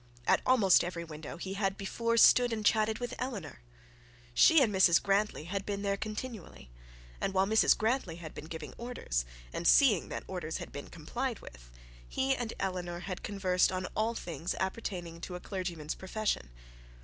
At almost every window he had before stood and chatted with Eleanor. She and Mrs Grantly had been there continually, and while Mrs Grantly had been giving orders, and seeing that orders had been complied with, he and Eleanor had conversed on all things appertaining to a clergyman's profession.